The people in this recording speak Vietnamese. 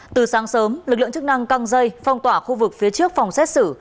từ sáng sớm lực lượng chức năng căng dây phong tỏa khu vực phía trước phòng xét xử